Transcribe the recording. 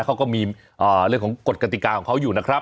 เขาก็มีเรื่องของกฎกติกาของเขาอยู่นะครับ